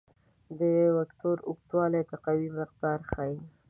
د وکتور اوږدوالی د قوې مقدار ښيي.